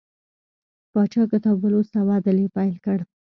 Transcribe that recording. پاچا کتاب ولوست او عدل یې پیل کړ.